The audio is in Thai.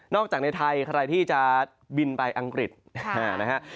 จากในไทยใครที่จะบินไปอังกฤษนะฮะ